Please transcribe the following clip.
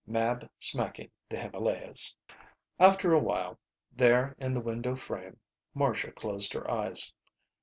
Mab smacking the Himalayas. After a while, there in the window frame, Marcia closed her eyes.